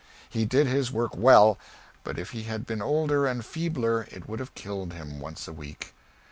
He did his work well, but if he had been older and feebler it would have killed him once a week.